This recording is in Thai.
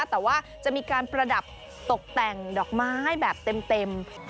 แต่ว่าจะมีการประดับตกแต่งดอกไม้แบบเต็ม